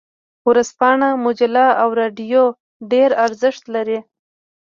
ورځپاڼه، مجله او رادیو ډیر ارزښت لري.